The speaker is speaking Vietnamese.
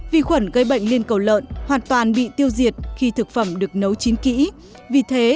vi khuẩn gây bệnh liên cầu lợn hoàn toàn bị tiêu diệt khi thực phẩm được nấu chín kỹ vì thế